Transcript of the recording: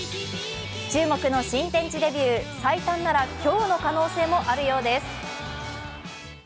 注目の新天地デビュー最短なら今日の可能性もあるようです。